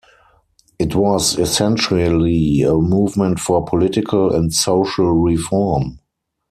It was essentially a movement for political and social reform.